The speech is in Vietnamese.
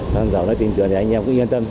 xăng dầu nó tin tưởng thì anh em cứ yên tâm